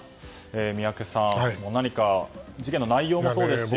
宮家さん何か事件の内容もそうですし。